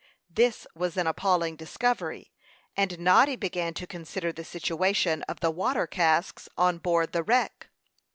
This was an appalling discovery, and Noddy began to consider the situation of the water casks on board the wreck.